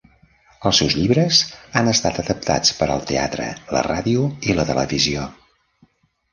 Els seus llibres han estat adaptats per al teatre, la ràdio i la televisió.